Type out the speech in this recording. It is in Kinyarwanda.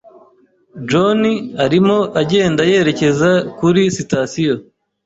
John arimo agenda yerekeza kuri sitasiyo.